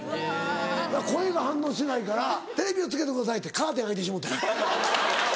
声が反応しないから「テレビをつけてください」ってカーテン開いてしもうたんや。